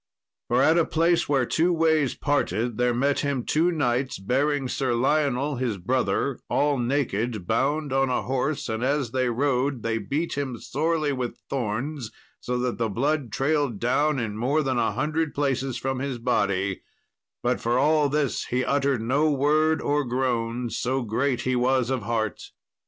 For at a place where two ways parted, there met him two knights, bearing Sir Lionel, his brother, all naked, bound on a horse, and as they rode, they beat him sorely with thorns, so that the blood trailed down in more than a hundred places from his body; but for all this he uttered no word or groan, so great he was of heart.